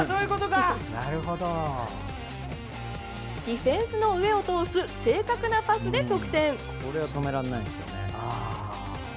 ディフェンスの上を通す正確なパスで得点。